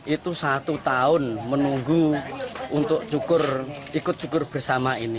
itu satu tahun menunggu untuk ikut syukur bersama ini